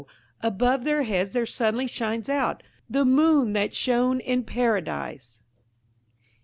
above their heads there suddenly shines out–THE MOON THAT SHONE IN PARADISE!